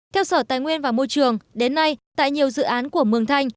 theo sở tài nguyên và môi trường đến nay tại nhiều dự án của mường thanh